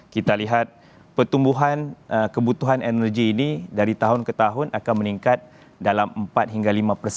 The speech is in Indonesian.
kita lihat pertumbuhan kebutuhan energi ini dari tahun ke tahun akan meningkat dalam empat hingga lima persen